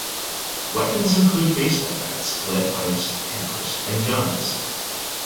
Weapons include baseball bats, lead pipes, hammers and guns.